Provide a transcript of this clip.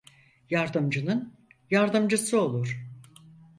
Yardımcının yardımcısı olur.